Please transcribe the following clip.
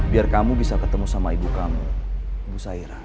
biar kamu bisa ketemu sama ibu kamu bu saira